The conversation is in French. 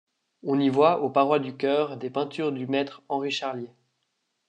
On y voit, aux parois du chœur, des peintures du maître Henri Charlier.